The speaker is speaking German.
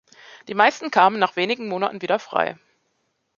Die meisten kamen nach wenigen Monaten wieder frei.